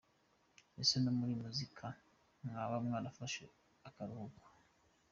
Ese no muri muzika mwaba mwarafashe akaruhuko?.